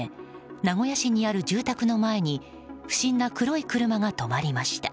名古屋市にある住宅の前に不審な黒い車が止まりました。